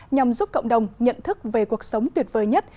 nhằm giúp cộng đồng nhận thức về cuộc sống tuyệt vời nhất